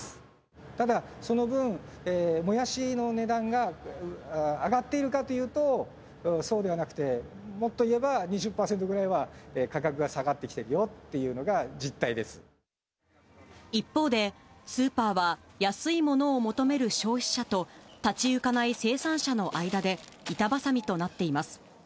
ただ、その分、もやしの値段が上がっているかというと、そうではなくて、もっといえば２０％ぐらいは価格が下がってきてるよっていうのが一方で、スーパーは安いものを求める消費者と、立ち行かない生産者の間で、板挟みとなっています。